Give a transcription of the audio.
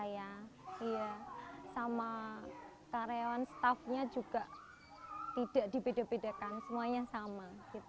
saya sama karyawan staffnya juga tidak dibeda bedakan semuanya sama